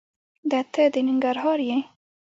دته د ننګرهار یې؟